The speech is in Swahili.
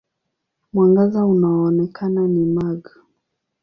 Mwangaza unaoonekana ni mag.